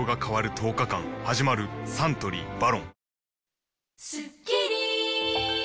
いつもサントリー「ＶＡＲＯＮ」